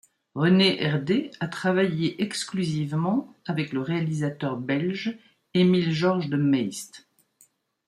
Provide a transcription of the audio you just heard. René Herdé a travaillé exclusivement avec le réalisateur belge Émile-Georges De Meyst.